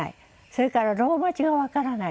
それからローマ字がわからない。